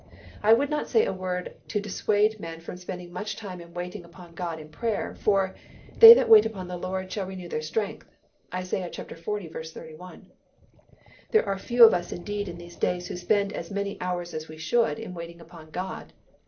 I would not say a word to dissuade men from spending much time in waiting upon God in prayer for "They that wait upon the Lord shall renew their strength" (Isa. xl. 31). There are few of us indeed in these days who spend as many hours as we should in waiting upon God.